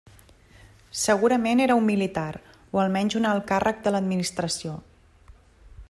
Segurament era un militar o almenys un alt càrrec de l'administració.